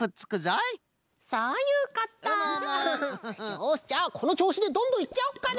よしじゃあこのちょうしでどんどんいっちゃおうかな！